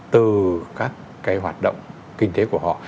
từ các cái hoạt động kinh tế của họ